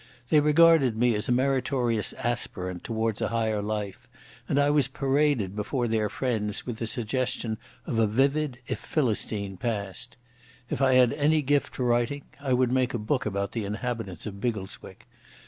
They regarded me as a meritorious aspirant towards a higher life, and I was paraded before their friends with the suggestion of a vivid, if Philistine, past. If I had any gift for writing, I would make a book about the inhabitants of Biggleswick.